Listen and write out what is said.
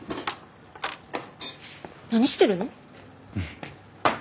何してるの？